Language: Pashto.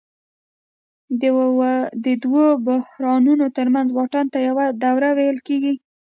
د دوو بحرانونو ترمنځ واټن ته یوه دوره ویل کېږي